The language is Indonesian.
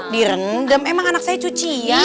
direndam emang anak saya cuci ya